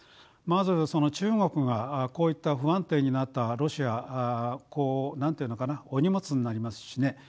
まず中国がこういった不安定になったロシアこう何て言うのかなお荷物になりますしね。